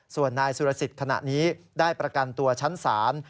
ส่วนนายสุรสิทธิ์ขณะนี้ได้ประกันตัวชั้นศาล